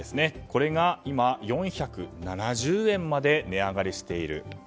これが今、４７０円まで値上がりしている。